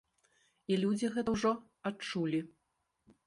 І людзі гэта ўжо адчулі.